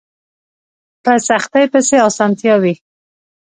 په سختۍ پسې اسانتيا وي